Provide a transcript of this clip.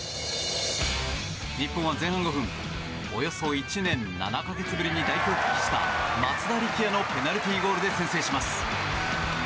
日本は前半５分およそ１年７か月ぶりに代表復帰した松田力也のペナルティーゴールで先制します。